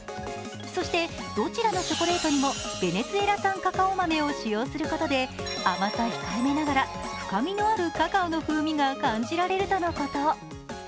そしてどちらのチョコレートにもベネズエラ産カカオ豆を使用することで甘さ控えめながら深みのあるカカオの風味が感じられるとのこと。